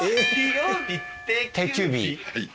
はい。